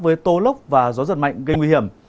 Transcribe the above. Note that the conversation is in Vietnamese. với tô lốc và gió giật mạnh gây nguy hiểm